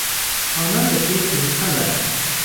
آنان به سوی کوهستان رفتند.